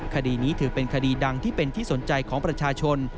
คดีนี้ถือเป็นคดีดังที่เป็นที่สนใจของประชาชน